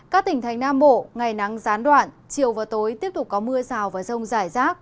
các tỉnh thành nam bộ ngày nắng gián đoạn chiều và tối tiếp tục có mưa rào và rông rải rác